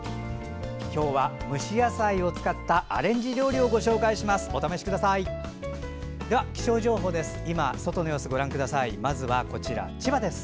今日は蒸し野菜を使ったアレンジ料理をご紹介します。